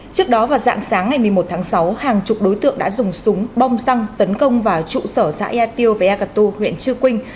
trước đó vào dạng sáng ngày một mươi một tháng sáu hàng chục đối tượng đã dùng súng bom xăng tấn công vào trụ sở xã ea tiêu với ea cà tô huyện chư quynh